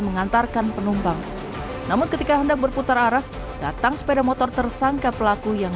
mengantarkan penumpang namun ketika hendak berputar arah datang sepeda motor tersangka pelaku yang